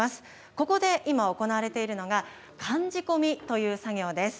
ここで今、行われているのが、寒仕込みという作業です。